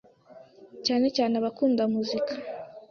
cyane cyane abakunda muzika,